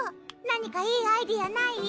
何かいいアイデアない？